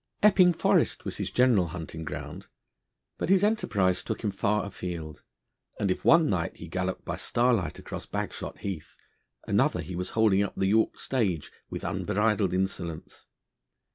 Epping Forest was his general hunting ground, but his enterprise took him far afield, and if one night he galloped by starlight across Bagshot Heath, another he was holding up the York stage with unbridled insolence.